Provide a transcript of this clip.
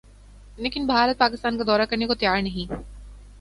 لیکن بھارت پاکستان کا دورہ کرنے کو تیار نہیں